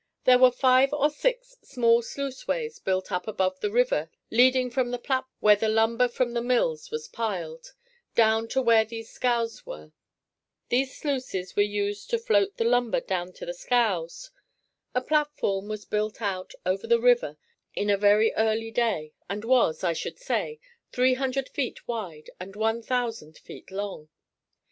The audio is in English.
There were five or six small sluiceways built up above the river leading from the platform where the lumber from the mills was piled, down to where these scows were. These sluices were used to float the lumber down to the scows. A platform was built out over the river in a very early day and was, I should say, three hundred feet wide and one thousand feet long.